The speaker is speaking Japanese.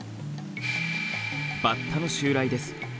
バッタの襲来です。